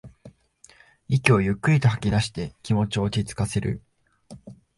息をゆっくりと吐きだして気持ちを落ちつかせる